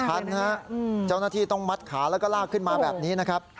ชั้นนะฮะเจ้าหน้าที่ต้องมัดขาและลากขึ้นมาแบบนี้นะครับ